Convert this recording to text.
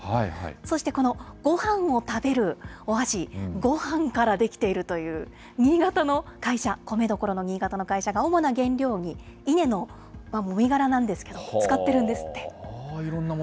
そしてこの、ごはんを食べるお箸、ごはんから出来ているという、新潟の会社、米どころの新潟の会社が、主な原料に、稲のもみがらなんですけど、使っているんですって。